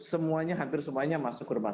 semuanya hampir semuanya masuk ke rumah